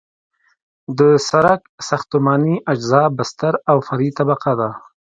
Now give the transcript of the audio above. د سرک ساختماني اجزا بستر او فرعي طبقه ده